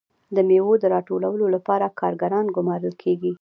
د میوو د راټولولو لپاره کارګران ګمارل کیږي.